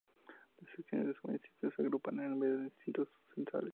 Las secciones de un municipio se agrupan a su vez en distritos censales.